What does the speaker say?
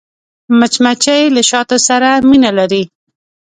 مچمچۍ له شاتو سره مینه لري